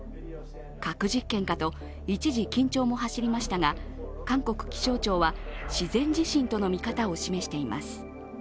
核実験かと一時、緊張も走りましたが韓国気象庁は自然地震との見方を示しています。